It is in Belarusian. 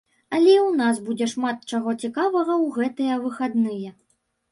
Але і ў нас будзе шмат чаго цікавага ў гэтыя выхадныя.